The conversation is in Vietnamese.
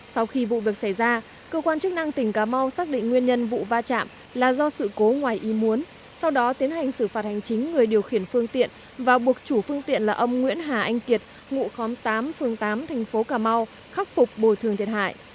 sau khi vụ việc xảy ra cơ quan chức năng tỉnh cà mau xác định nguyên nhân vụ va chạm là do sự cố ngoài ý muốn sau đó tiến hành xử phạt hành chính người điều khiển phương tiện và buộc chủ phương tiện là ông nguyễn hà anh kiệt ngụ khóm tám phường tám thành phố cà mau khắc phục bồi thường thiệt hại